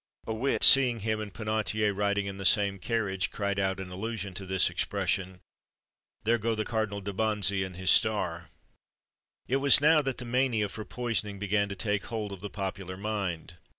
A wit, seeing him and Penautier riding in the same carriage, cried out, in allusion to this expression, "There go the Cardinal de Bonzy and his star!" It was now that the mania for poisoning began to take hold of the popular mind.